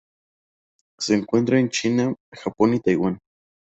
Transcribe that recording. Se encuentra en China, Japón y Taiwán.